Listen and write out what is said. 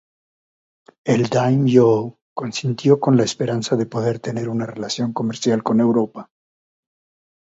El daimyō consintió con la esperanza de poder tener una relación comercial con Europa.